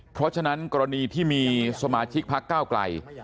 เพราะฉะนั้นกรณีที่มีสมาชิกพักก้าวไกล